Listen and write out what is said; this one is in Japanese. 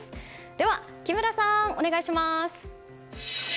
では木村さん、お願いします！